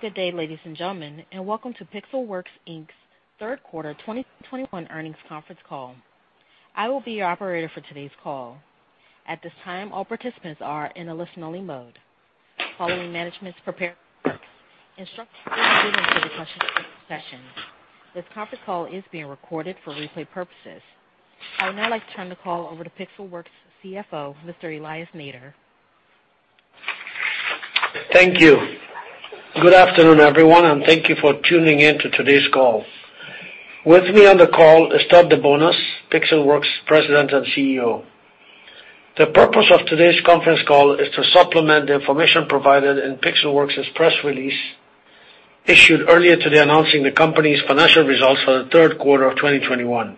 Good day, ladies and gentlemen, and welcome to Pixelworks, Inc.'s third quarter 2021 earnings conference call. I will be your operator for today's call. At this time, all participants are in a listen-only mode. Following management's prepared remarks, instructions will be given for the question session. This conference call is being recorded for replay purposes. I would now like to turn the call over to Pixelworks, Inc.'s CFO, Mr. Elias Nader. Thank you. Good afternoon, everyone, and thank you for tuning in to today's call. With me on the call is Todd DeBonis, Pixelworks' President and CEO. The purpose of today's conference call is to supplement the information provided in Pixelworks' press release issued earlier today announcing the company's financial results for the third quarter of 2021.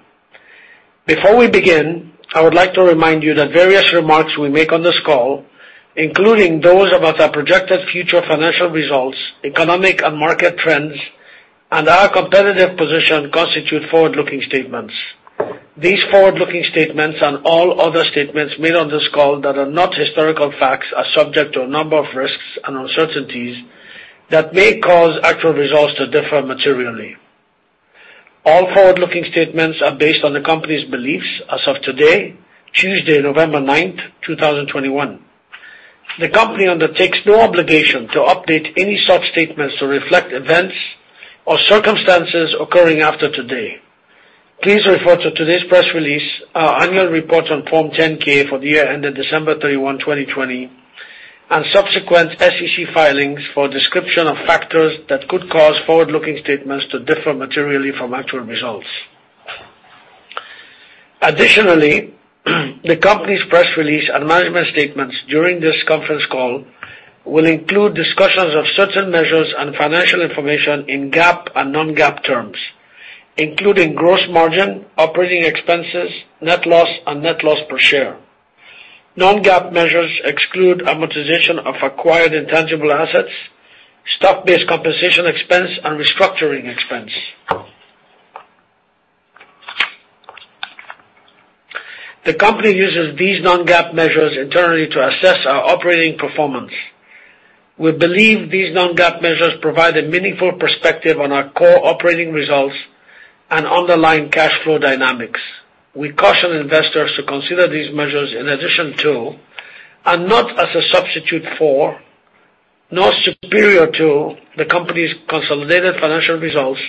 Before we begin, I would like to remind you that various remarks we make on this call, including those about our projected future financial results, economic and market trends, and our competitive position, constitute forward-looking statements. These forward-looking statements and all other statements made on this call that are not historical facts are subject to a number of risks and uncertainties that may cause actual results to differ materially. All forward-looking statements are based on the company's beliefs as of today, Tuesday, November 9, 2021. The company undertakes no obligation to update any such statements to reflect events or circumstances occurring after today. Please refer to today's press release, our annual report on Form 10-K for the year ended December 31, 2020, and subsequent SEC filings for a description of factors that could cause forward-looking statements to differ materially from actual results. Additionally, the company's press release and management statements during this conference call will include discussions of certain measures and financial information in GAAP and non-GAAP terms, including gross margin, operating expenses, net loss, and net loss per share. Non-GAAP measures exclude amortization of acquired intangible assets, stock-based compensation expense, and restructuring expense. The company uses these non-GAAP measures internally to assess our operating performance. We believe these non-GAAP measures provide a meaningful perspective on our core operating results and underlying cash flow dynamics. We caution investors to consider these measures in addition to, and not as a substitute for, nor superior to, the company's consolidated financial results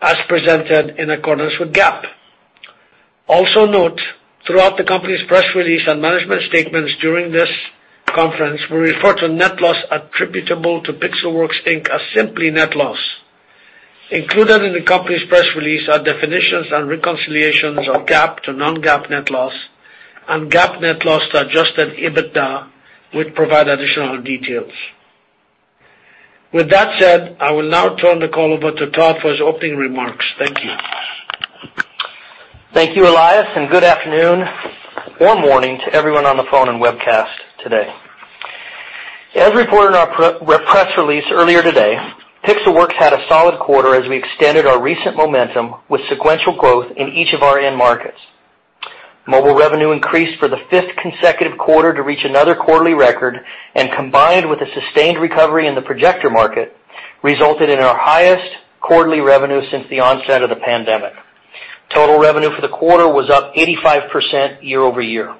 as presented in accordance with GAAP. Also note, throughout the company's press release and management statements during this conference, we refer to net loss attributable to Pixelworks, Inc. as simply net loss. Included in the company's press release are definitions and reconciliations of GAAP to non-GAAP net loss and GAAP net loss to adjusted EBITDA, which provide additional details. With that said, I will now turn the call over to Todd for his opening remarks. Thank you. Thank you, Elias, and good afternoon or morning to everyone on the phone and webcast today. As reported in our press release earlier today, Pixelworks had a solid quarter as we extended our recent momentum with sequential growth in each of our end markets. Mobile revenue increased for the fifth consecutive quarter to reach another quarterly record, and combined with a sustained recovery in the projector market, resulted in our highest quarterly revenue since the onset of the pandemic. Total revenue for the quarter was up 85% year-over-year.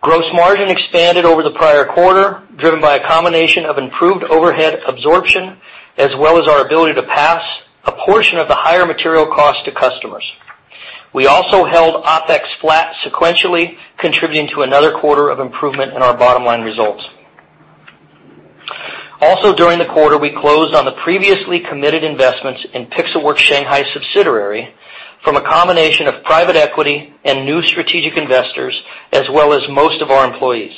Gross margin expanded over the prior quarter, driven by a combination of improved overhead absorption, as well as our ability to pass a portion of the higher material cost to customers. We also held OpEx flat sequentially, contributing to another quarter of improvement in our bottom-line results. Also, during the quarter, we closed on the previously committed investments in Pixelworks Shanghai subsidiary from a combination of private equity and new strategic investors, as well as most of our employees.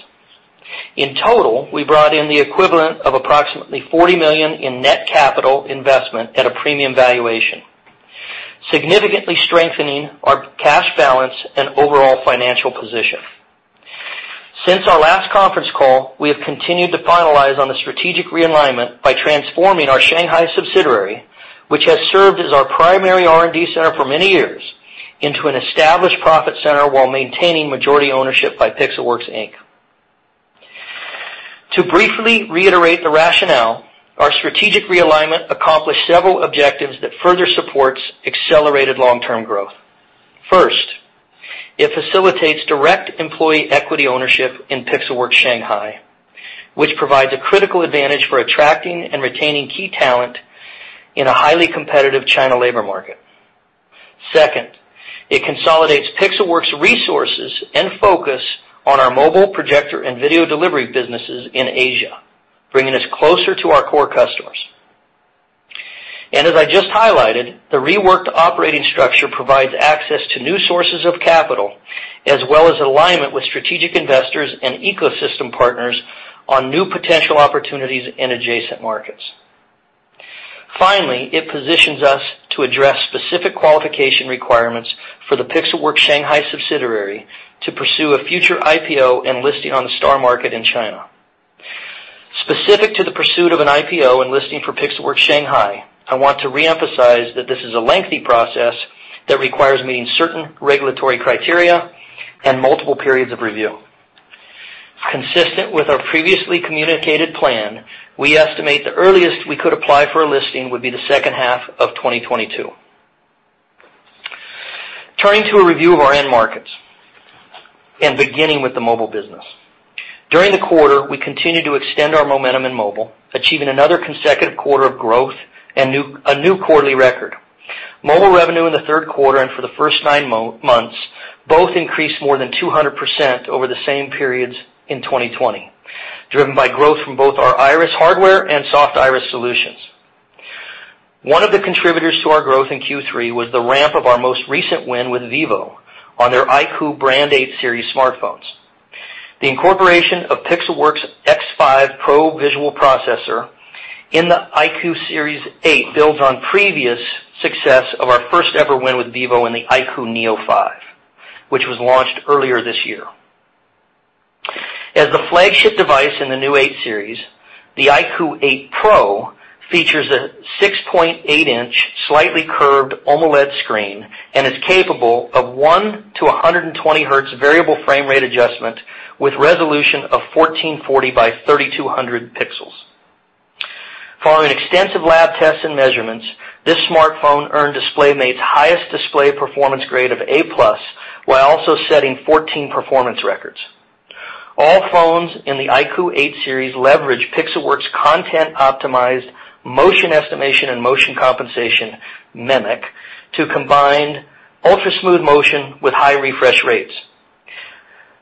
In total, we brought in the equivalent of approximately $40 million in net capital investment at a premium valuation, significantly strengthening our cash balance and overall financial position. Since our last conference call, we have continued to finalize on the strategic realignment by transforming our Shanghai subsidiary, which has served as our primary R&D center for many years, into an established profit center while maintaining majority ownership by Pixelworks, Inc. To briefly reiterate the rationale, our strategic realignment accomplished several objectives that further supports accelerated long-term growth. First, it facilitates direct employee equity ownership in Pixelworks Shanghai, which provides a critical advantage for attracting and retaining key talent in a highly competitive China labor market. Second, it consolidates Pixelworks' resources and focus on our mobile projector and video delivery businesses in Asia, bringing us closer to our core customers. As I just highlighted, the reworked operating structure provides access to new sources of capital as well as alignment with strategic investors and ecosystem partners on new potential opportunities in adjacent markets. Finally, it positions us to address specific qualification requirements for the Pixelworks Shanghai subsidiary to pursue a future IPO and listing on the Star Market in China. Specific to the pursuit of an IPO and listing for Pixelworks Shanghai, I want to reemphasize that this is a lengthy process that requires meeting certain regulatory criteria. Multiple periods of review. Consistent with our previously communicated plan, we estimate the earliest we could apply for a listing would be the second half of 2022. Turning to a review of our end markets and beginning with the mobile business. During the quarter, we continued to extend our momentum in mobile, achieving another consecutive quarter of growth and a new quarterly record. Mobile revenue in the third quarter and for the first nine-months, both increased more than 200% over the same periods in 2020, driven by growth from both our Iris hardware and Soft Iris solutions. One of the contributors to our growth in Q3 was the ramp of our most recent win with Vivo on their iQOO 8 series smartphones. The incorporation of Pixelworks' X5 Pro visual processor in the iQOO 8 series builds on previous success of our first-ever win with Vivo in the iQOO Neo 5, which was launched earlier this year. As the flagship device in the new iQOO 8 series, the iQOO 8 Pro features a 6.8-inch, slightly curved OLED screen and is capable of 1-120 Hz variable frame rate adjustment with resolution of 1440 by 3200 pixels. Following extensive lab tests and measurements, this smartphone earned DisplayMate's highest display performance grade of A+ while also setting 14 performance records. All phones in the iQOO 8 series leverage Pixelworks' content-optimized motion estimation and motion compensation, MEMC, to combine ultra-smooth motion with high refresh rates,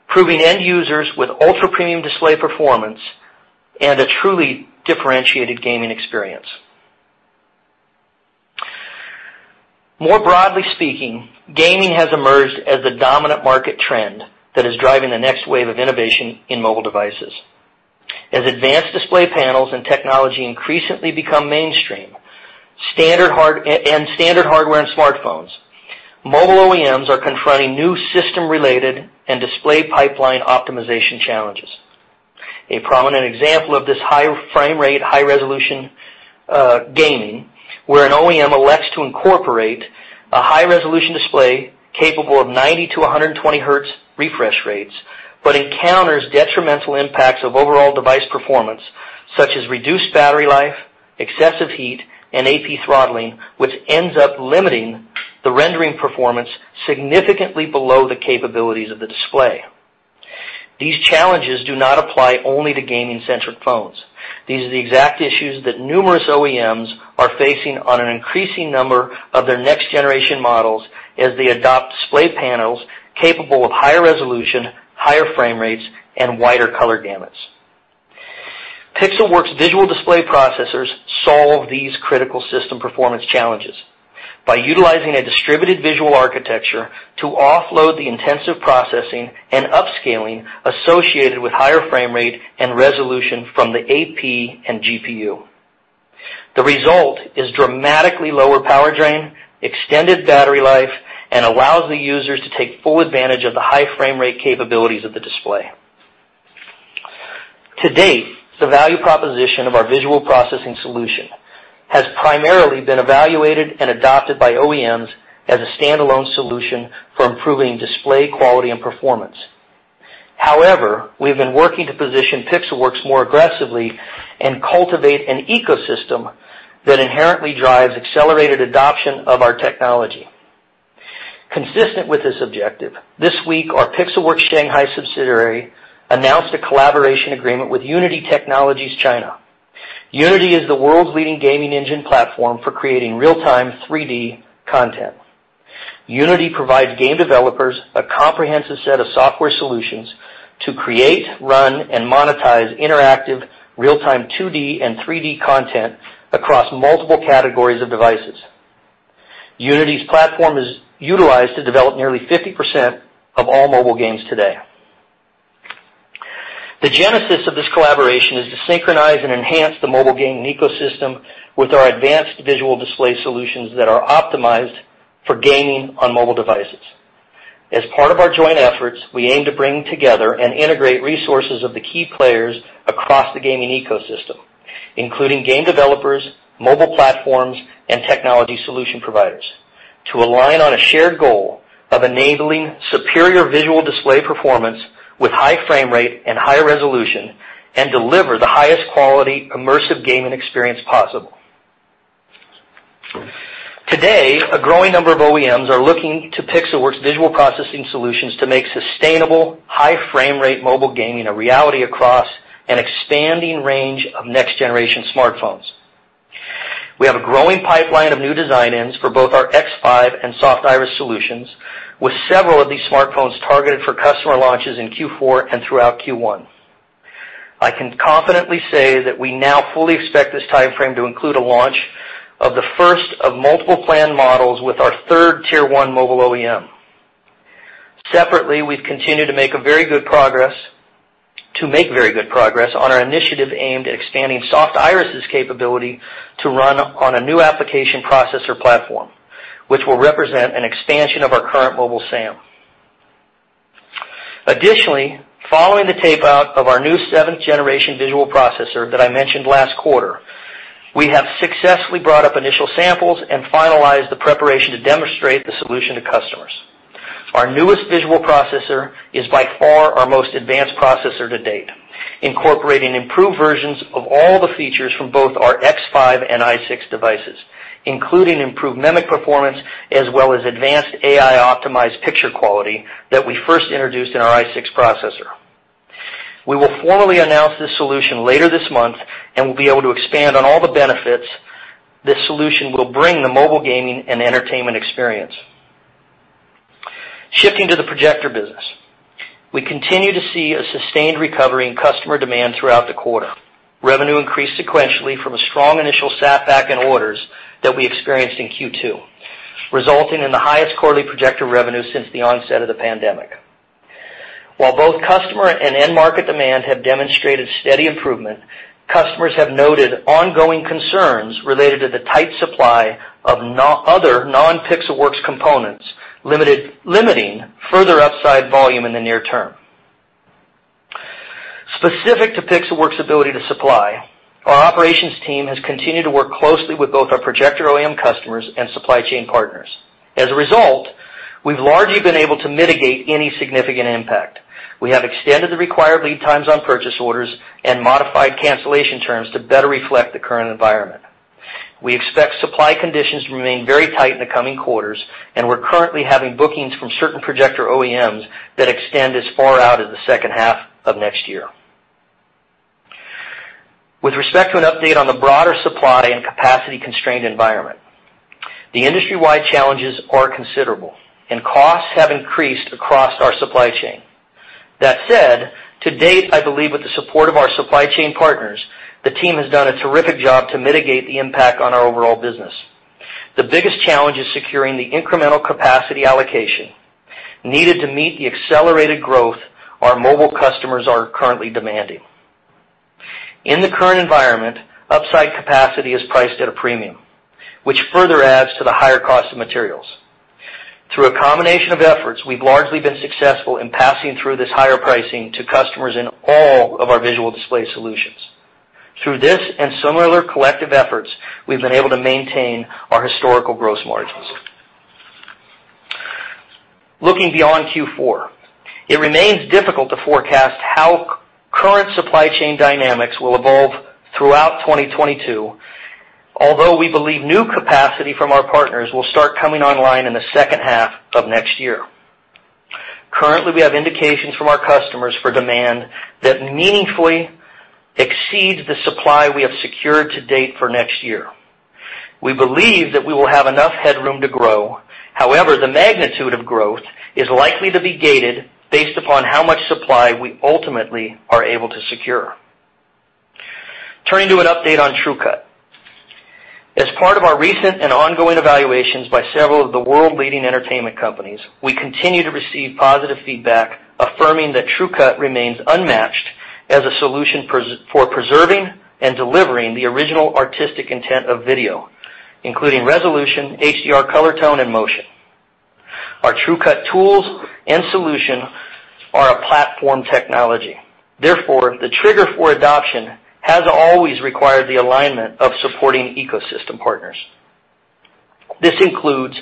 providing end users with ultra-premium display performance and a truly differentiated gaming experience. More broadly speaking, gaming has emerged as the dominant market trend that is driving the next wave of innovation in mobile devices. As advanced display panels and technology increasingly become mainstream, standard hardware and smartphones, mobile OEMs are confronting new system-related and display pipeline optimization challenges. A prominent example of this is high frame rate, high-resolution gaming, where an OEM elects to incorporate a high-resolution display capable of 90-120 Hz refresh rates, but encounters detrimental impacts on overall device performance, such as reduced battery life, excessive heat, and AP throttling, which ends up limiting the rendering performance significantly below the capabilities of the display. These challenges do not apply only to gaming-centric phones. These are the exact issues that numerous OEMs are facing on an increasing number of their next-generation models as they adopt display panels capable of higher resolution, higher frame rates, and wider color gamuts. Pixelworks' visual display processors solve these critical system performance challenges by utilizing a distributed visual architecture to offload the intensive processing and upscaling associated with higher frame rate and resolution from the AP and GPU. The result is dramatically lower power drain, extended battery life, and allows the users to take full advantage of the high frame rate capabilities of the display. To date, the value proposition of our visual processing solution has primarily been evaluated and adopted by OEMs as a standalone solution for improving display quality and performance. However, we have been working to position Pixelworks more aggressively and cultivate an ecosystem that inherently drives accelerated adoption of our technology. Consistent with this objective, this week, our Pixelworks Shanghai subsidiary announced a collaboration agreement with Unity China. Unity is the world's leading game engine platform for creating real-time 3D content. Unity provides game developers a comprehensive set of software solutions to create, run, and monetize interactive real-time 2D and 3D content across multiple categories of devices. Unity's platform is utilized to develop nearly 50% of all mobile games today. The genesis of this collaboration is to synchronize and enhance the mobile gaming ecosystem with our advanced visual display solutions that are optimized for gaming on mobile devices. As part of our joint efforts, we aim to bring together and integrate resources of the key players across the gaming ecosystem, including game developers, mobile platforms, and technology solution providers, to align on a shared goal of enabling superior visual display performance with high frame rate and high resolution, and deliver the highest quality, immersive gaming experience possible. Today, a growing number of OEMs are looking to Pixelworks' visual processing solutions to make sustainable high frame rate mobile gaming a reality across an expanding range of next-generation smartphones. We have a growing pipeline of new design-ins for both our X5 and Soft Iris solutions, with several of these smartphones targeted for customer launches in Q4 and throughout Q1. I can confidently say that we now fully expect this timeframe to include a launch of the first of multiple planned models with our third tier-one mobile OEM. Separately, we've continued to make very good progress on our initiative aimed at expanding Soft Iris' capability to run on a new application processor platform, which will represent an expansion of our current mobile SAM. Additionally, following the tape-out of our new seventh-generation visual processor that I mentioned last quarter. We have successfully brought up initial samples and finalized the preparation to demonstrate the solution to customers. Our newest visual processor is by far our most advanced processor to date, incorporating improved versions of all the features from both our X5 and i6 devices, including improved MEMC performance, as well as advanced AI-optimized picture quality that we first introduced in our i6 processor. We will formally announce this solution later this month, and we'll be able to expand on all the benefits this solution will bring the mobile gaming and entertainment experience. Shifting to the projector business. We continue to see a sustained recovery in customer demand throughout the quarter. Revenue increased sequentially from a strong initial setback in orders that we experienced in Q2, resulting in the highest quarterly projector revenue since the onset of the pandemic. While both customer and end market demand have demonstrated steady improvement, customers have noted ongoing concerns related to the tight supply of non-Pixelworks components limiting further upside volume in the near term. Specific to Pixelworks' ability to supply, our operations team has continued to work closely with both our projector OEM customers and supply chain partners. As a result, we've largely been able to mitigate any significant impact. We have extended the required lead times on purchase orders and modified cancellation terms to better reflect the current environment. We expect supply conditions to remain very tight in the coming quarters, and we're currently having bookings from certain projector OEMs that extend as far out as the second half of next year. With respect to an update on the broader supply and capacity-constrained environment, the industry-wide challenges are considerable, and costs have increased across our supply chain. That said, to date, I believe with the support of our supply chain partners, the team has done a terrific job to mitigate the impact on our overall business. The biggest challenge is securing the incremental capacity allocation needed to meet the accelerated growth our mobile customers are currently demanding. In the current environment, upside capacity is priced at a premium, which further adds to the higher cost of materials. Through a combination of efforts, we've largely been successful in passing through this higher pricing to customers in all of our visual display solutions. Through this and similar collective efforts, we've been able to maintain our historical growth margins. Looking beyond Q4, it remains difficult to forecast how current supply chain dynamics will evolve throughout 2022, although we believe new capacity from our partners will start coming online in the second half of next year. Currently, we have indications from our customers for demand that meaningfully exceeds the supply we have secured to date for next year. We believe that we will have enough headroom to grow. However, the magnitude of growth is likely to be gated based upon how much supply we ultimately are able to secure. Turning to an update on TrueCut. As part of our recent and ongoing evaluations by several of the world-leading entertainment companies, we continue to receive positive feedback affirming that TrueCut remains unmatched as a solution for preserving and delivering the original artistic intent of video, including resolution, HDR color tone, and motion. Our TrueCut tools and solution are a platform technology. Therefore, the trigger for adoption has always required the alignment of supporting ecosystem partners. This includes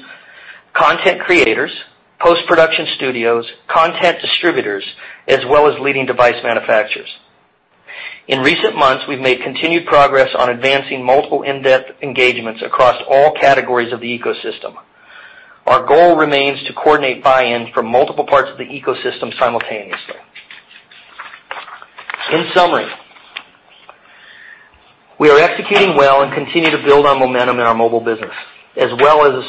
content creators, post-production studios, content distributors, as well as leading device manufacturers. In recent months, we've made continued progress on advancing multiple in-depth engagements across all categories of the ecosystem. Our goal remains to coordinate buy-ins from multiple parts of the ecosystem simultaneously. In summary, we are executing well and continue to build on momentum in our mobile business, as well as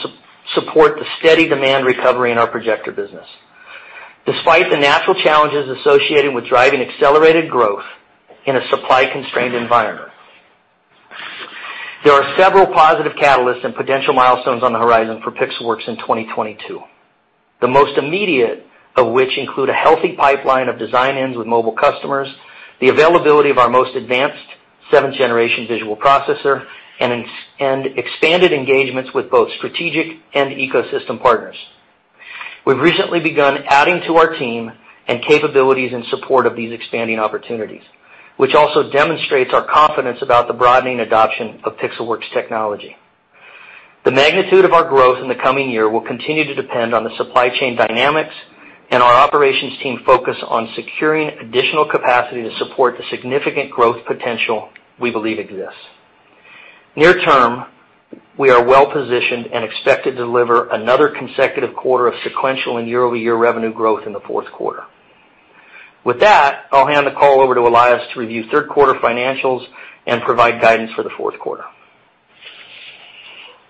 support the steady demand recovery in our projector business, despite the natural challenges associated with driving accelerated growth in a supply-constrained environment. There are several positive catalysts and potential milestones on the horizon for Pixelworks in 2022, the most immediate of which include a healthy pipeline of design-ins with mobile customers, the availability of our most advanced seventh-generation visual processor, and expanded engagements with both strategic and ecosystem partners. We've recently begun adding to our team and capabilities in support of these expanding opportunities, which also demonstrates our confidence about the broadening adoption of Pixelworks technology. The magnitude of our growth in the coming year will continue to depend on the supply chain dynamics and our operations team focus on securing additional capacity to support the significant growth potential we believe exists. Near term, we are well-positioned and expect to deliver another consecutive quarter of sequential and year-over-year revenue growth in the fourth quarter. With that, I'll hand the call over to Elias to review third-quarter financials and provide guidance for the fourth quarter.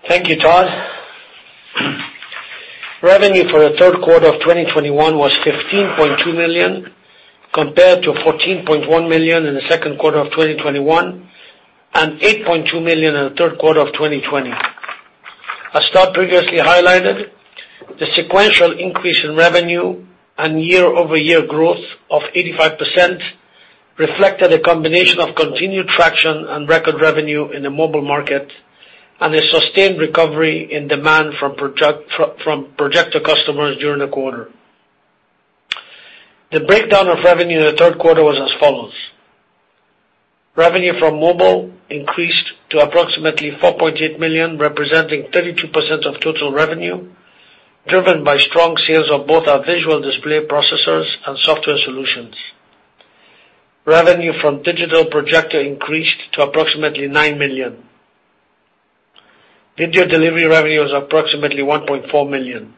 Thank you, Todd. Revenue for the third quarter of 2021 was $15.2 million, compared to $14.1 million in the second quarter of 2021, and $8.2 million in the third quarter of 2020. As Todd previously highlighted, the sequential increase in revenue and year-over-year growth of 85% reflected a combination of continued traction and record revenue in the mobile market and a sustained recovery in demand from projector customers during the quarter. The breakdown of revenue in the third quarter was as follows. Revenue from mobile increased to approximately $4.8 million, representing 32% of total revenue, driven by strong sales of both our visual display processors and software solutions. Revenue from digital projector increased to approximately $9 million. Video delivery revenue is approximately $1.4 million.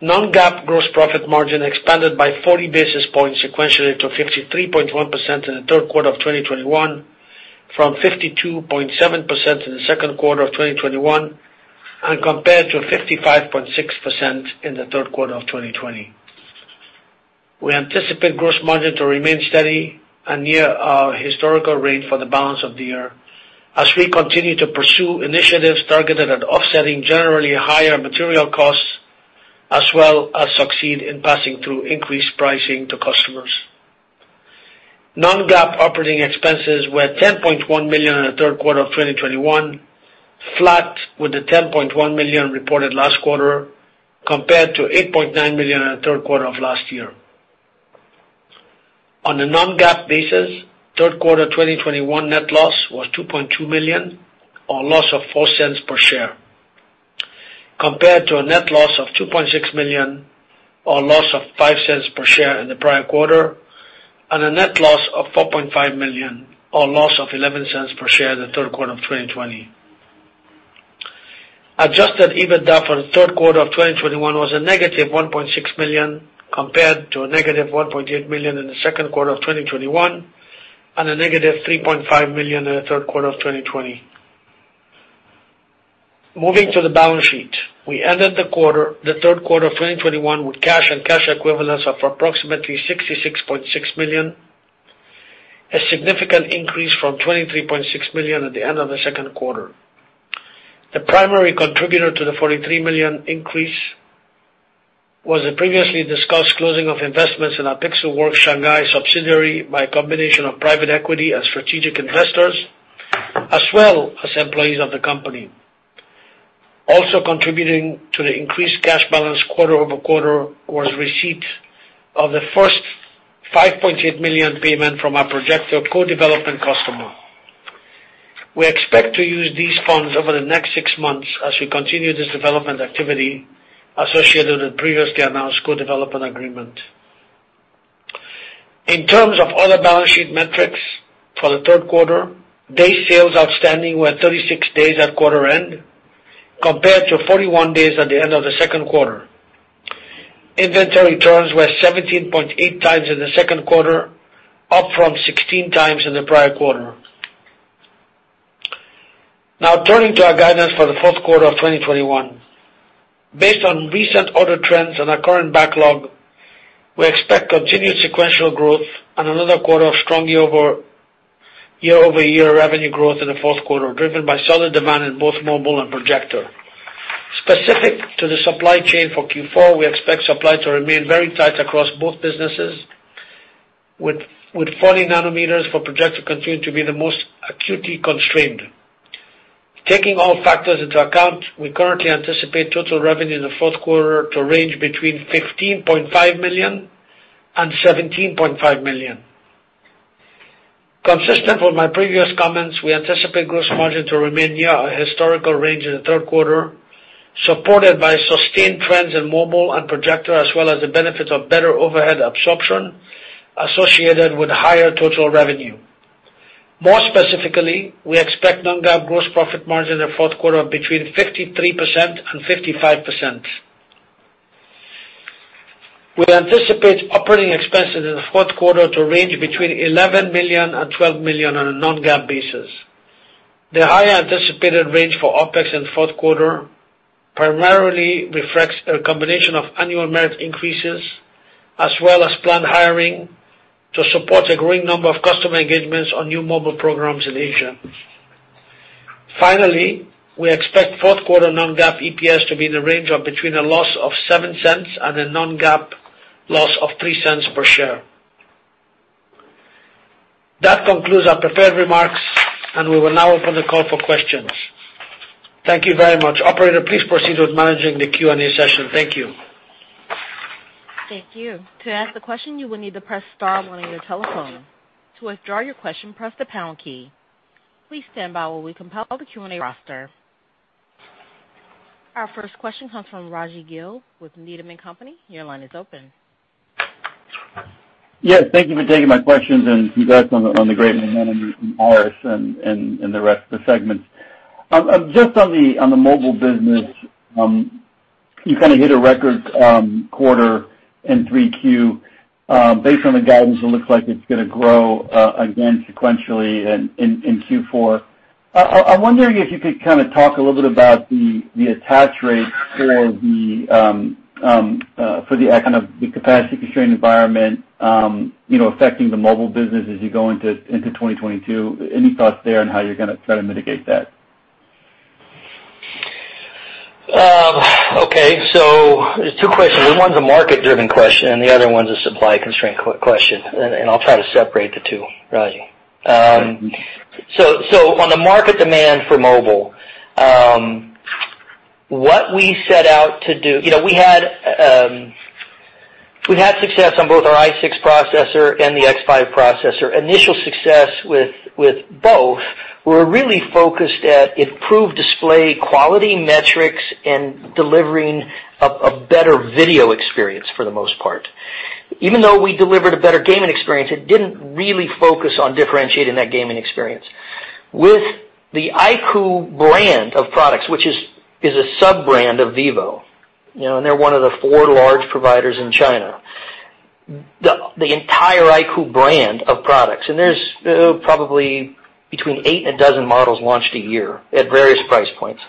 Non-GAAP gross profit margin expanded by 40 basis points sequentially to 53.1% in the third quarter of 2021, from 52.7% in the second quarter of 2021, and compared to 55.6% in the third quarter of 2020. We anticipate gross margin to remain steady and near our historical rate for the balance of the year as we continue to pursue initiatives targeted at offsetting generally higher material costs, as well as succeed in passing through increased pricing to customers. Non-GAAP operating expenses were $10.1 million in the third quarter of 2021, flat with the $10.1 million reported last quarter, compared to $8.9 million in the third quarter of last year. On a non-GAAP basis, third quarter 2021 net loss was $2.2 million or a loss of $0.04 per share, compared to a net loss of $2.6 million or a loss of $0.05 per share in the prior quarter, and a net loss of $4.5 million or a loss of $0.11 per share in the third quarter of 2020. Adjusted EBITDA for the third quarter of 2021 was –$1.6 million, compared to –$1.8 million in the second quarter of 2021, and –$3.5 million in the third quarter of 2020. Moving to the balance sheet. We ended the quarter, the third quarter of 2021 with cash and cash equivalents of approximately $66.6 million, a significant increase from $23.6 million at the end of the second quarter. The primary contributor to the $43 million increase was the previously discussed closing of investments in our Pixelworks Shanghai subsidiary by a combination of private equity and strategic investors, as well as employees of the company. Also contributing to the increased cash balance quarter-over-quarter was receipt of the first $5.8 million payment from our projector co-development customer. We expect to use these funds over the next six-months as we continue this development activity associated with previously announced co-development agreement. In terms of other balance sheet metrics for the third quarter, days sales outstanding were 36 days at quarter end compared to 41 days at the end of the second quarter. Inventory turns were 17.8 times in the second quarter, up from 16 times in the prior quarter. Now turning to our guidance for the fourth quarter of 2021. Based on recent order trends and our current backlog, we expect continued sequential growth and another quarter of strong year-over-year revenue growth in the fourth quarter, driven by solid demand in both mobile and projector. Specific to the supply chain for Q4, we expect supply to remain very tight across both businesses with 40 nanometers for projector continuing to be the most acutely constrained. Taking all factors into account, we currently anticipate total revenue in the fourth quarter to range between $15.5 million and $17.5 million. Consistent with my previous comments, we anticipate gross margin to remain near our historical range in the third quarter, supported by sustained trends in mobile and projector, as well as the benefits of better overhead absorption associated with higher total revenue. More specifically, we expect non-GAAP gross profit margin in the fourth quarter of between 53% and 55%. We anticipate operating expenses in the fourth quarter to range between $11 million and $12 million on a non-GAAP basis. The higher anticipated range for OpEx in the fourth quarter primarily reflects a combination of annual merit increases as well as planned hiring to support a growing number of customer engagements on new mobile programs in Asia. Finally, we expect fourth quarter non-GAAP EPS to be in the range of between a loss of $0.07 and a non-GAAP loss of $0.03 per share. That concludes our prepared remarks, and we will now open the call for questions. Thank you very much. Operator, please proceed with managing the Q&A session. Thank you. Our first question comes from Rajvindra Gill with Needham & Company. Your line is open. Yes. Thank you for taking my questions and congrats on the great momentum from Iris and the rest of the segments. Just on the mobile business, you kind of hit a record quarter in Q3. Based on the guidance, it looks like it's gonna grow again sequentially in Q4. I'm wondering if you could kinda talk a little bit about the attach rate for the kind of the capacity-constrained environment, you know, affecting the mobile business as you go into 2022. Any thoughts there on how you're gonna try to mitigate that? Okay, there's two questions. One's a market-driven question, and the other one's a supply constraint question, and I'll try to separate the two, Raji. On the market demand for mobile, what we set out to do. You know, we had success on both our i6 processor and the X5 processor. Initial success with both, we're really focused on improved display quality metrics and delivering a better video experience for the most part. Even though we delivered a better gaming experience, it didn't really focus on differentiating that gaming experience. With the iQOO brand of products, which is a sub-brand of Vivo, you know, and they're one of the four large providers in China. The entire iQOO brand of products, and there's probably between eight and a dozen models launched a year at various price points.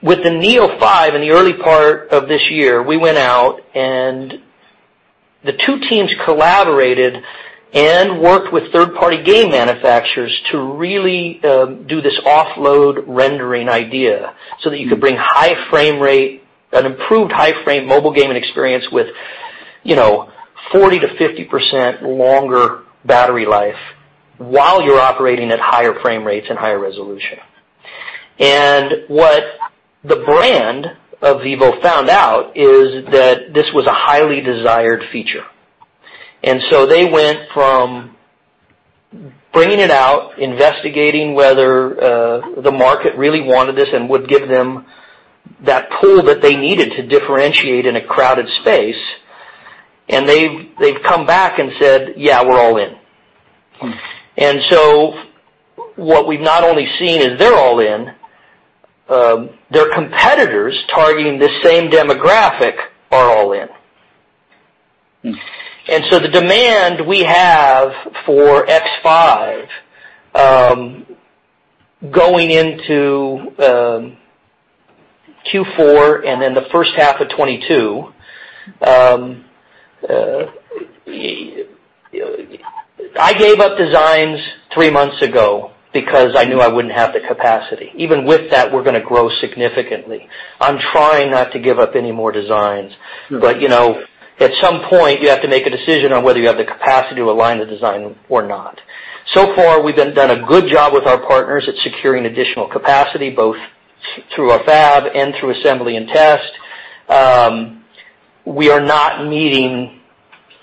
With the Neo 5 in the early part of this year, we went out and the two teams collaborated and worked with third-party game manufacturers to really do this offload rendering idea, so that you could bring high frame rate, an improved high frame mobile gaming experience with, you know, 40%-50% longer battery life while you're operating at higher frame rates and higher resolution. What the brand of Vivo found out is that this was a highly desired feature. They went from bringing it out, investigating whether the market really wanted this and would give them that pull that they needed to differentiate in a crowded space, and they've come back and said, "Yeah, we're all in." What we've not only seen is they're all in, their competitors targeting the same demographic are all in. The demand we have for X5 going into Q4 and then the first half of 2022. I gave up designs three months ago because I knew I wouldn't have the capacity. Even with that, we're gonna grow significantly. You know, at some point, you have to make a decision on whether you have the capacity to align the design or not. So far, we've done a good job with our partners at securing additional capacity, both through our fab and through assembly and test. We are not meeting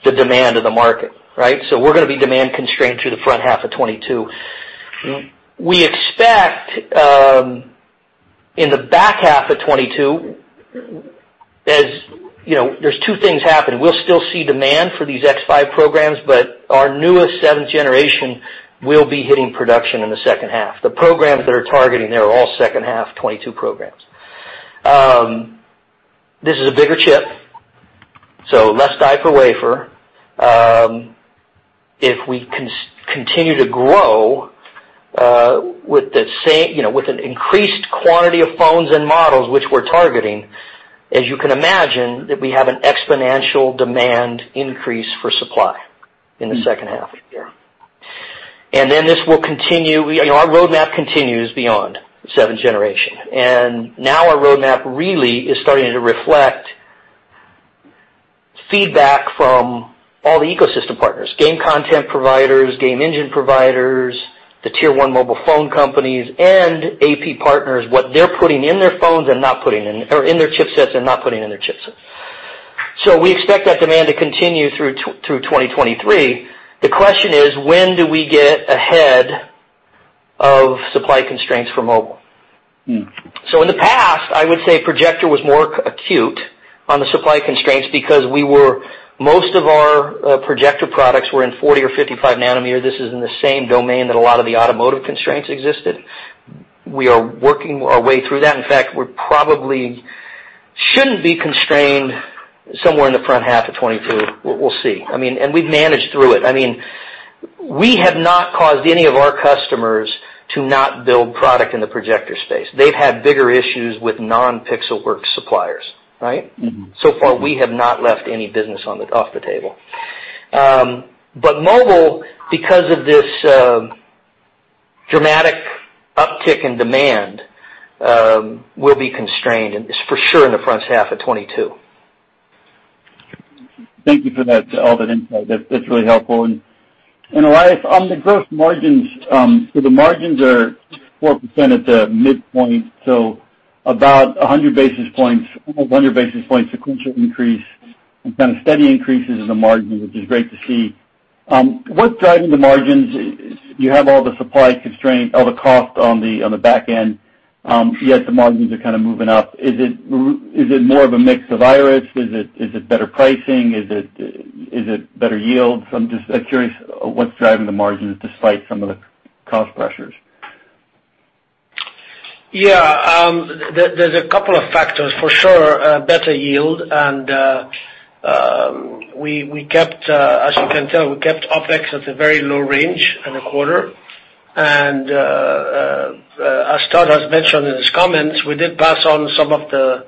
the demand of the market, right? We're gonna be demand constrained through the front half of 2022. We expect in the back half of 2022. You know, there's two things happening. We'll still see demand for these X5 programs, but our newest seventh generation will be hitting production in the second half. The programs that are targeting, they're all second half 2022 programs. This is a bigger chip, so less die per wafer. If we continue to grow with the same, you know, with an increased quantity of phones and models which we're targeting, as you can imagine, that we have an exponential demand increase for supply in the second half. Yeah. This will continue. You know, our roadmap continues beyond seventh generation. Now our roadmap really is starting to reflect feedback from all the ecosystem partners, game content providers, game engine providers, the tier one mobile phone companies, and AP partners, what they're putting in their phones and not putting in, or in their chipsets and not putting in their chipsets. We expect that demand to continue through 2023. The question is, when do we get ahead of supply constraints for mobile? Hmm. In the past, I would say projector was more acute on the supply constraints because most of our projector products were in 40 or 55 nanometer. This is in the same domain that a lot of the automotive constraints existed. We are working our way through that. In fact, we probably shouldn't be constrained somewhere in the front half of 2022. We'll see. I mean, we've managed through it. I mean, we have not caused any of our customers to not build product in the projector space. They've had bigger issues with non-Pixelworks suppliers, right? Mm-hmm. So far, we have not left any business off the table. Mobile, because of this dramatic uptick in demand, will be constrained, and for sure in the front half of 2022. Thank you for that, all that insight. That's really helpful. Elias, on the gross margins, the margins are 4% at the midpoint, so about 100 basis points sequential increase and kind of steady increases in the margin, which is great to see. What's driving the margins? You have all the supply constraints, all the cost on the back end, yet the margins are kinda moving up. Is it more of a mix of Iris? Is it better pricing? Is it better yields? I'm curious what's driving the margins despite some of the cost pressures. There's a couple of factors. For sure, better yield and, as you can tell, we kept OpEx at a very low range in the quarter. As Todd has mentioned in his comments, we did pass on some of the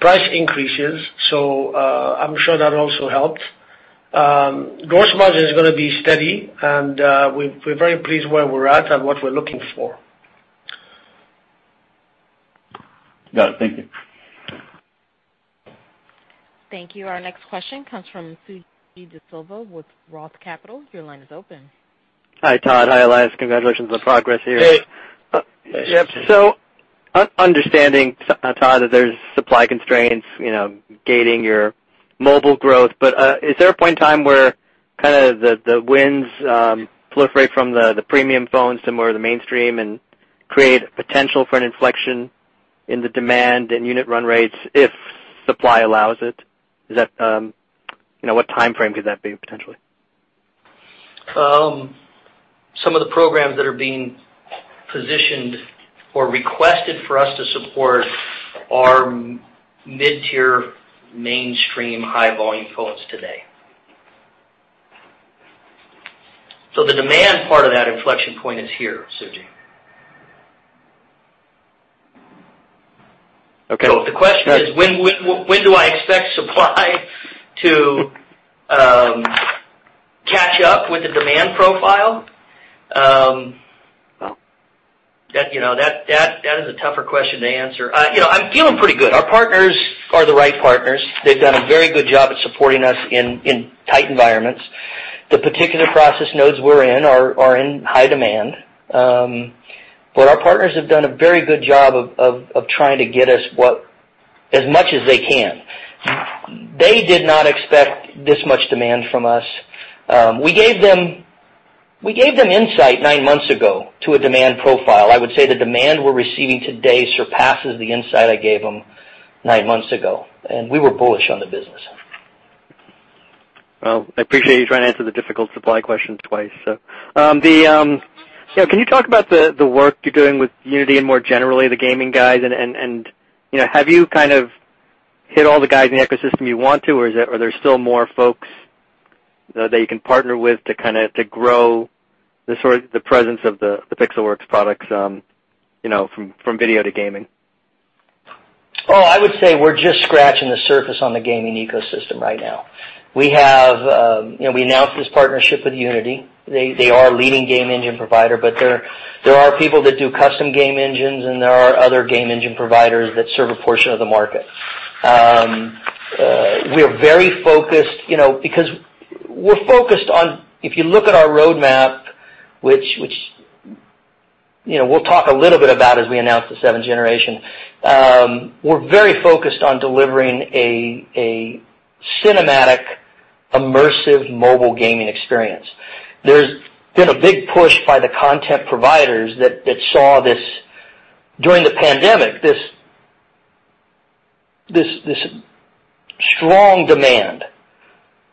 price increases, so I'm sure that also helped. Gross margin is gonna be steady, and we're very pleased where we're at and what we're looking for. Got it. Thank you. Thank you. Our next question comes from Suji Desilva with Roth Capital. Your line is open. Hi, Todd. Hi, Elias. Congratulations on the progress here. Hey. Understanding, Todd, that there's supply constraints, you know, gating your mobile growth. Is there a point in time where kinda the winds proliferate from the premium phones to more of the mainstream and create potential for an inflection in the demand and unit run rates if supply allows it? You know, what timeframe could that be potentially? Some of the programs that are being positioned or requested for us to support are mid-tier mainstream high volume phones today. The demand part of that inflection point is here, Suji. Okay. If the question is, when do I expect supply to catch up with the demand profile, that is a tougher question to answer. You know, I'm feeling pretty good. Our partners are the right partners. They've done a very good job at supporting us in tight environments. The particular process nodes we're in are in high demand. Our partners have done a very good job of trying to get us as much as they can. They did not expect this much demand from us. We gave them insight nine months ago to a demand profile. I would say the demand we're receiving today surpasses the insight I gave them nine months ago, and we were bullish on the business. Well, I appreciate you trying to answer the difficult supply questions twice. Can you talk about the work you're doing with Unity and more generally the gaming guys and, you know, have you kind of hit all the guys in the ecosystem you want to or are there still more folks that you can partner with to kinda grow sort of the presence of the Pixelworks products, you know, from video to gaming? Oh, I would say we're just scratching the surface on the gaming ecosystem right now. We have, you know, we announced this partnership with Unity. They are a leading game engine provider, but there are people that do custom game engines, and there are other game engine providers that serve a portion of the market. We are very focused, you know, because we're focused on if you look at our roadmap, which, you know, we'll talk a little bit about as we announce the seventh generation, we're very focused on delivering a cinematic, immersive mobile gaming experience. There's been a big push by the content providers that saw this during the pandemic, this strong demand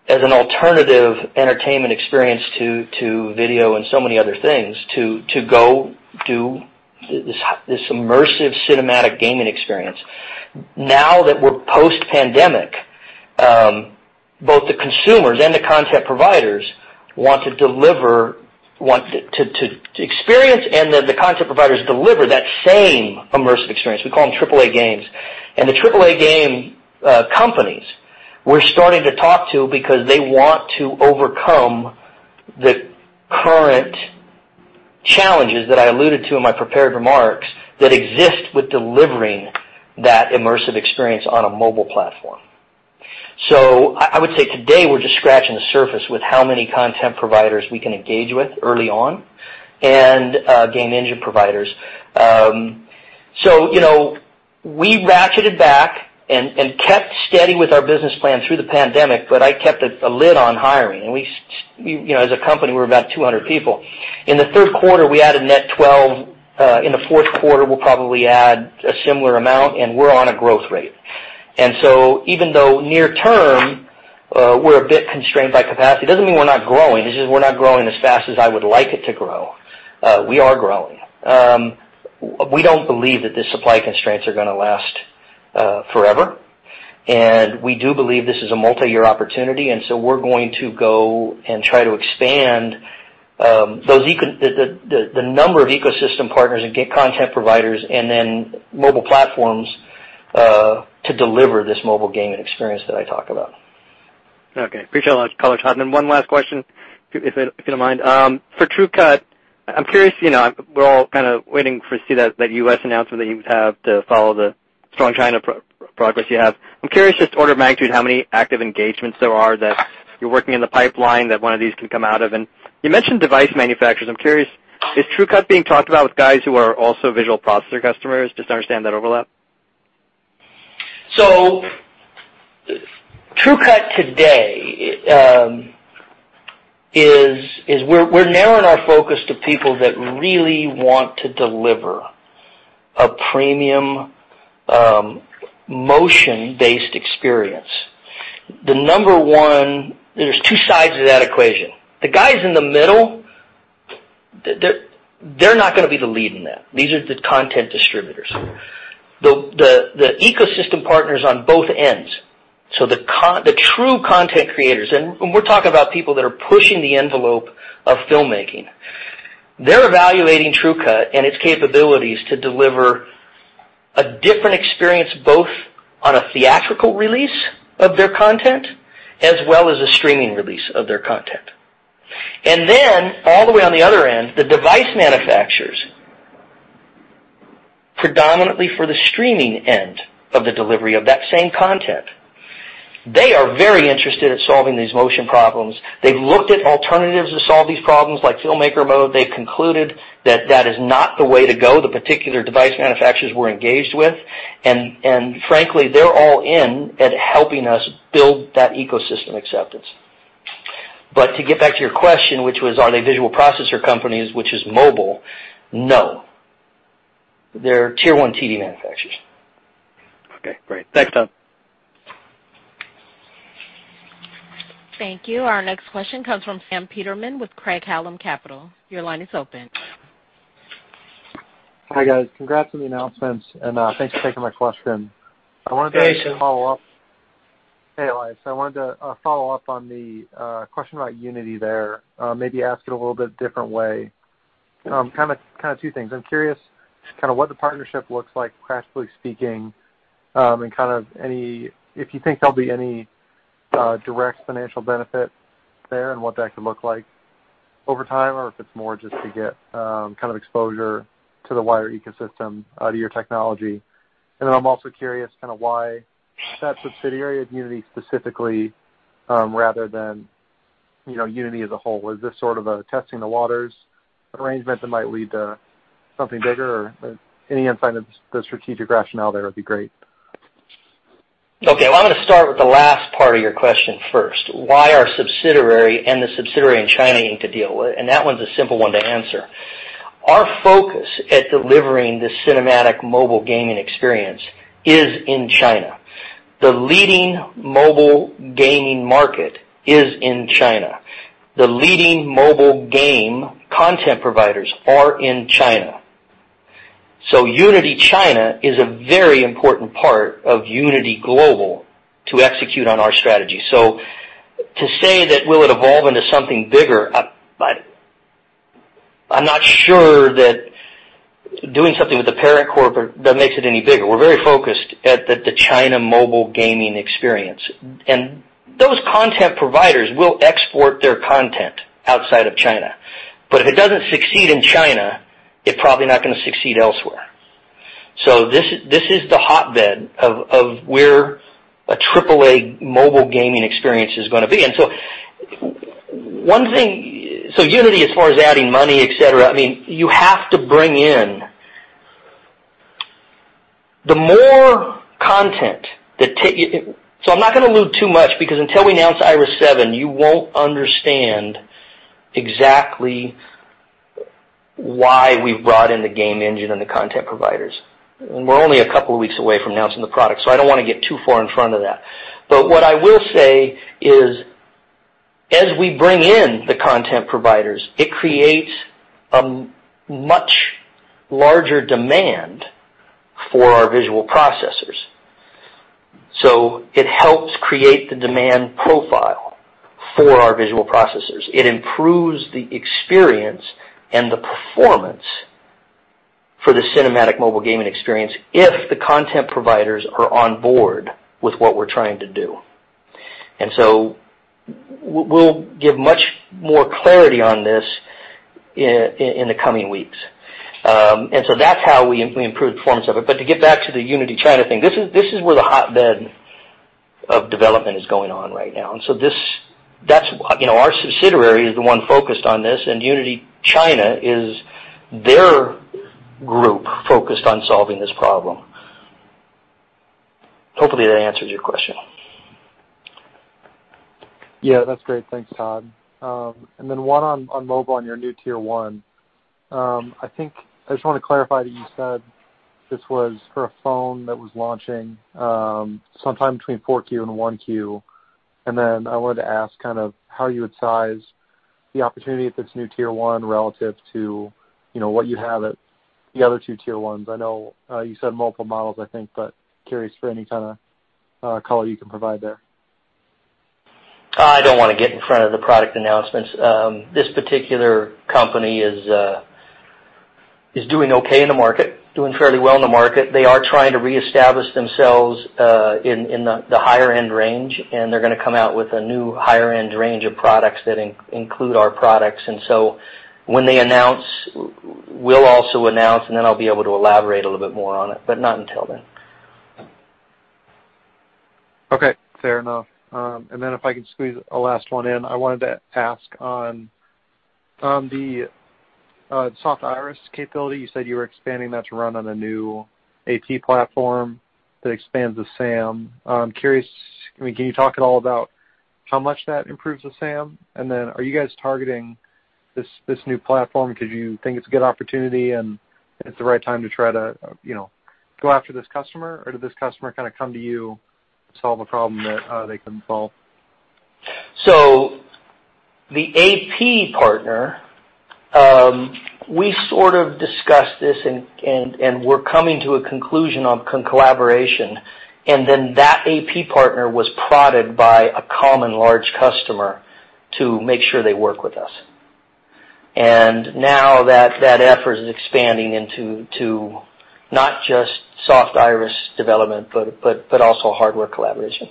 as an alternative entertainment experience to video and so many other things to go do this immersive cinematic gaming experience. Now that we're post-pandemic, both the consumers and the content providers want to experience and then the content providers deliver that same immersive experience. We call them AAA games. The AAA game companies we're starting to talk to because they want to overcome the current challenges that I alluded to in my prepared remarks that exist with delivering that immersive experience on a mobile platform. I would say today we're just scratching the surface with how many content providers we can engage with early on and game engine providers. You know, we ratcheted back and kept steady with our business plan through the pandemic, but I kept a lid on hiring. You know, as a company, we're about 200 people. In the third quarter, we added net 12. In the fourth quarter, we'll probably add a similar amount, and we're on a growth rate. Even though near term, we're a bit constrained by capacity, it doesn't mean we're not growing. It's just we're not growing as fast as I would like it to grow. We are growing. We don't believe that the supply constraints are gonna last forever, and we do believe this is a multi-year opportunity, and so we're going to go and try to expand those ecosystem partners and get content providers and then mobile platforms to deliver this mobile gaming experience that I talk about. Okay. Appreciate all those colors, Todd. Then one last question, if you don't mind. For TrueCut, I'm curious, you know, we're all kinda waiting to see that U.S. announcement that you have to follow the strong China progress you have. I'm curious, just order of magnitude, how many active engagements there are that you're working in the pipeline that one of these can come out of. You mentioned device manufacturers. I'm curious, is TrueCut being talked about with guys who are also visual processor customers? Just to understand that overlap. TrueCut today, we're narrowing our focus to people that really want to deliver a premium, motion-based experience. There's two sides to that equation. The guys in the middle, they're not gonna be the lead in that. These are the content distributors. The ecosystem partners on both ends, so the true content creators, and we're talking about people that are pushing the envelope of filmmaking, they're evaluating TrueCut and its capabilities to deliver a different experience, both on a theatrical release of their content as well as a streaming release of their content. All the way on the other end, the device manufacturers predominantly for the streaming end of the delivery of that same content. They are very interested in solving these motion problems. They've looked at alternatives to solve these problems, like Filmmaker Mode. They've concluded that that is not the way to go, the particular device manufacturers we're engaged with. Frankly, they're all in at helping us build that ecosystem acceptance. To get back to your question, which was, are they visual processor companies, which is mobile? No. They're Tier One TV manufacturers. Okay, great. Thanks, Tom. Thank you. Our next question comes from Sam Peterman with Craig-Hallum Capital. Your line is open. Hi, guys. Congrats on the announcements, and, thanks for taking my question. Thanks. I wanted to follow up. Hey, Elias. I wanted to follow up on the question about Unity there. Maybe ask it a little bit different way. Kinda two things. I'm curious kinda what the partnership looks like practically speaking, and kind of if you think there'll be any direct financial benefit there and what that could look like over time, or if it's more just to get kind of exposure to the wider ecosystem to your technology. Then I'm also curious kinda why that subsidiary of Unity specifically rather than, you know, Unity as a whole. Is this sort of a testing the waters arrangement that might lead to something bigger or any insight of the strategic rationale there would be great. Okay. Well, I'm gonna start with the last part of your question first. Why our subsidiary and the subsidiary in China need to deal with, and that one's a simple one to answer. Our focus at delivering the cinematic mobile gaming experience is in China. The leading mobile gaming market is in China. The leading mobile game content providers are in China. Unity China is a very important part of Unity Global to execute on our strategy. To say that will it evolve into something bigger, I'm not sure that doing something with the parent corporate that makes it any bigger. We're very focused at the China mobile gaming experience. Those content providers will export their content outside of China. If it doesn't succeed in China, it probably not gonna succeed elsewhere. This is the hotbed of where a AAA mobile gaming experience is gonna be. Unity, as far as adding money, et cetera, I mean, you have to bring in. I'm not gonna allude too much because until we announce Iris 7, you won't understand exactly why we've brought in the game engine and the content providers. We're only a couple of weeks away from announcing the product, so I don't wanna get too far in front of that. What I will say is, as we bring in the content providers, it creates a much larger demand for our visual processors. It helps create the demand profile for our visual processors. It improves the experience and the performance for the cinematic mobile gaming experience if the content providers are on board with what we're trying to do. We'll give much more clarity on this in the coming weeks. That's how we improve performance of it. To get back to the Unity China thing, this is where the hotbed of development is going on right now. That's, you know, our subsidiary is the one focused on this, and Unity China is their group focused on solving this problem. Hopefully, that answers your question. Yeah, that's great. Thanks, Todd. Then one on mobile and your new Tier One. I think I just wanna clarify that you said this was for a phone that was launching sometime between Q4 and Q1. Then I wanted to ask kind of how you would size the opportunity at this new Tier One relative to, you know, what you have at the other two Tier Ones. I know you said multiple models, I think, but curious for any kinda color you can provide there. I don't wanna get in front of the product announcements. This particular company is doing okay in the market, doing fairly well in the market. They are trying to reestablish themselves in the higher-end range, and they're gonna come out with a new higher-end range of products that include our products. When they announce, we'll also announce, and then I'll be able to elaborate a little bit more on it, but not until then. Okay, fair enough. If I could squeeze a last one in, I wanted to ask on the Soft Iris capability, you said you were expanding that to run on a new AP platform that expands the SAM. I'm curious, I mean, can you talk at all about how much that improves the SAM? Are you guys targeting this new platform because you think it's a good opportunity, and it's the right time to try to, you know, go after this customer? Did this customer kinda come to you to solve a problem that they couldn't solve? The AP partner, we sort of discussed this and we're coming to a conclusion on collaboration. That AP partner was prodded by a common large customer to make sure they work with us. Now that effort is expanding into not just Soft Iris development, but also hardware collaboration.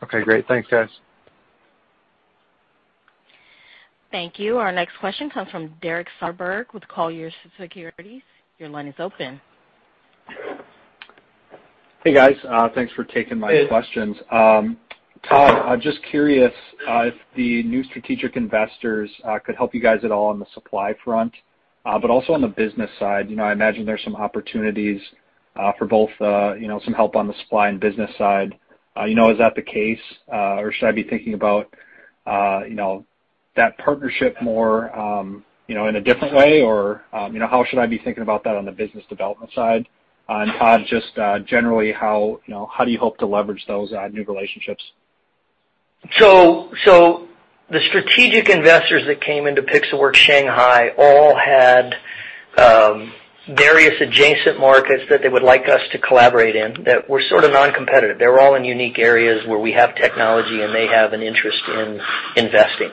Okay, great. Thanks guys. Thank you. Our next question comes from Derek Soderberg with Colliers Securities. Your line is open. Hey guys, thanks for taking my questions. Hey. Todd, I'm just curious if the new strategic investors could help you guys at all on the supply front, but also on the business side. You know, I imagine there's some opportunities for both, you know, some help on the supply and business side. You know, is that the case? Or should I be thinking about that partnership more, you know, in a different way? Or, you know, how should I be thinking about that on the business development side? Todd, just generally, how do you hope to leverage those new relationships? The strategic investors that came into Pixelworks Shanghai all had various adjacent markets that they would like us to collaborate in that were sort of non-competitive. They're all in unique areas where we have technology, and they have an interest in investing.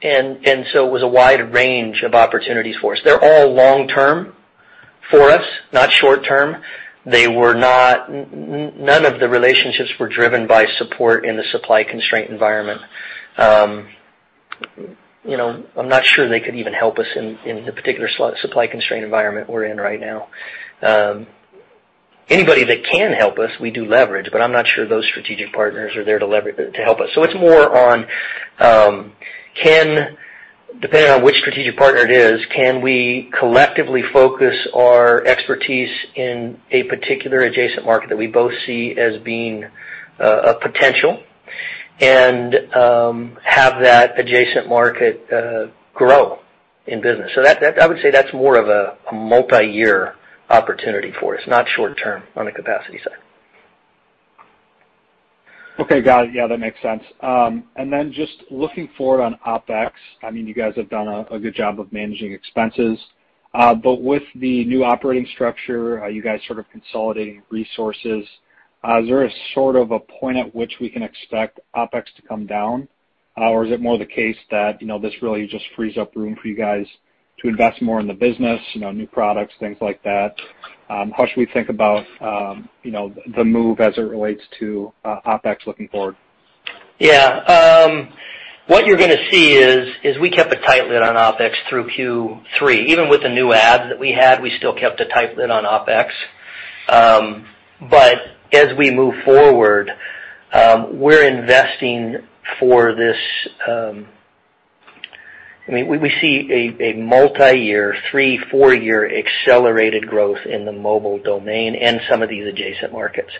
It was a wide range of opportunities for us. They're all long term for us, not short term. None of the relationships were driven by support in the supply constraint environment. You know, I'm not sure they could even help us in the particular supply constraint environment we're in right now. Anybody that can help us, we do leverage, but I'm not sure those strategic partners are there to help us. It's more on can. Depending on which strategic partner it is, can we collectively focus our expertise in a particular adjacent market that we both see as being a potential and have that adjacent market grow in business? That I would say that's more of a multiyear opportunity for us, not short term on the capacity side. Okay. Got it. Yeah, that makes sense. Just looking forward on OpEx, I mean, you guys have done a good job of managing expenses. With the new operating structure, are you guys sort of consolidating resources? Is there a sort of point at which we can expect OpEx to come down? Is it more the case that, you know, this really just frees up room for you guys to invest more in the business, you know, new products, things like that? How should we think about, you know, the move as it relates to, OpEx looking forward? What you're gonna see is we kept a tight lid on OpEx through Q3. Even with the new ad that we had, we still kept a tight lid on OpEx. As we move forward, we're investing for this. I mean, we see a multiyear 3-4-year accelerated growth in the mobile domain and some of these adjacent markets.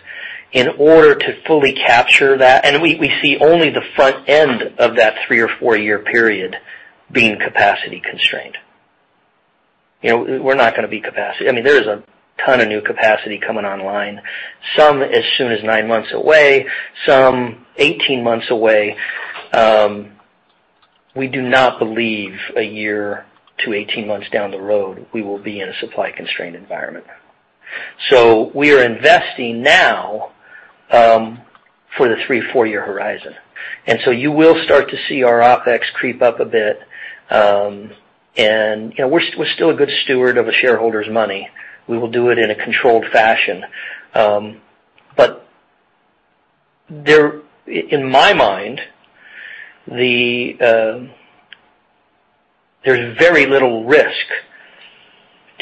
In order to fully capture that, we see only the front end of that three or four-year period being capacity constrained. You know, we're not gonna be capacity constrained. I mean, there is a ton of new capacity coming online, some as soon as nine-months away, some 18-months away. We do not believe a year to 18-months down the road we will be in a supply constrained environment. We are investing now for the 3-4-year horizon. You will start to see our OpEx creep up a bit. You know, we're still a good steward of a shareholder's money. We will do it in a controlled fashion. In my mind, there's very little risk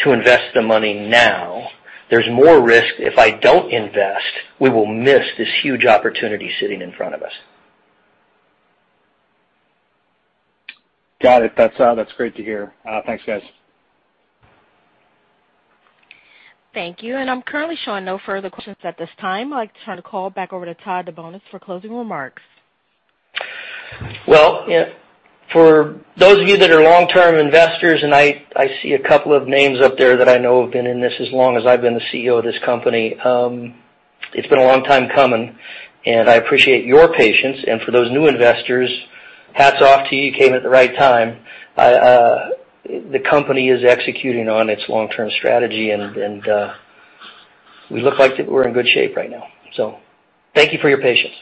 to invest the money now. There's more risk if I don't invest, we will miss this huge opportunity sitting in front of us. Got it. That's great to hear. Thanks, guys. Thank you. I'm currently showing no further questions at this time. I'd like to turn the call back over to Todd DeBonis for closing remarks. Well, yeah, for those of you that are long-term investors, and I see a couple of names up there that I know have been in this as long as I've been the CEO of this company, it's been a long time coming, and I appreciate your patience. For those new investors, hats off to you. You came at the right time. The company is executing on its long-term strategy, and we look like that we're in good shape right now. Thank you for your patience.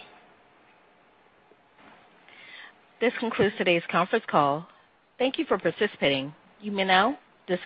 This concludes today's conference call. Thank you for participating. You may now dis-